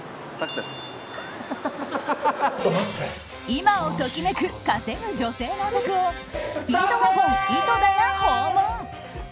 今を時めく、稼ぐ女性のお宅をスピードワゴン井戸田が訪問！